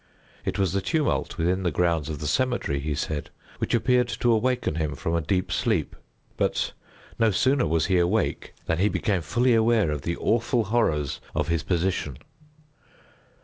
It was the tumult within the grounds of the cemetery, he said, which appeared to awaken him from a deep sleep, but no sooner was he awake than he became fully aware of the awful horrors of his position.